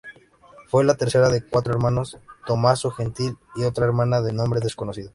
Fue la tercera de cuatro hermanosː Tomaso, Gentil y otra hermana de nombre desconocido.